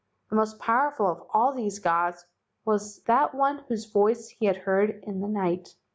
The most powerful of all these gods was that one whose voice he had heard in the night.